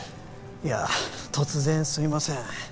いや突然すいません